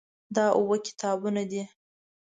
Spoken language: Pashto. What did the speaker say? دا اووه کتابونه دي.